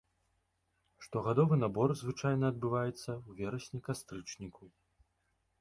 Штогадовы набор звычайна адбываецца у верасні-кастрычніку.